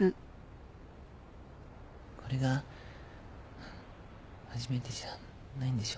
これが初めてじゃないんでしょ？